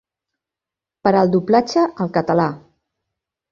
Per al doblatge al català.